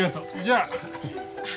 じゃあ。